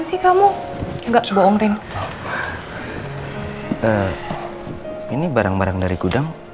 ini barang barang dari gudang